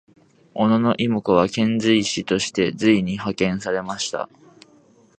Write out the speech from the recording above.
小野妹子は遣隋使として隋に派遣されました。